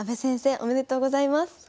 おめでとうございます。